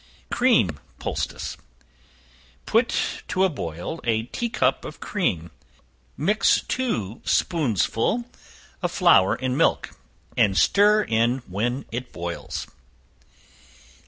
Cream Poultice. Put to boil a tea cup of cream; mix two spoonsful of flour in milk, and stir in when it boils.